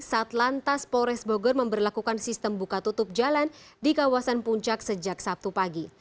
satlantas polres bogor memperlakukan sistem buka tutup jalan di kawasan puncak sejak sabtu pagi